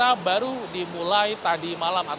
karena baru dimulai tadi malam